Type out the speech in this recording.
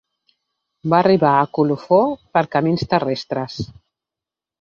Va arribar a Colofó per camins terrestres.